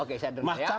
oke oke saya dengar ya